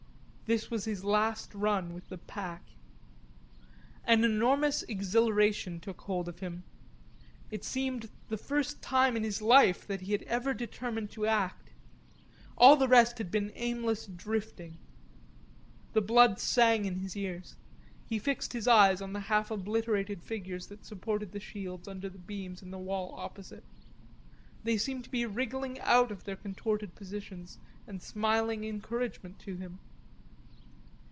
This was his last run with the pack. An enormous exhilaration took hold of him. It seemed the first time in his life he had ever determined to act. All the rest had been aimless drifting. The blood sang m his ears. He fixed his eyes on the half obliterated figures that supported the shields under the beams in the wall opposite. They seemed to be wriggling out of their contorted positions and smiling encouragement to him.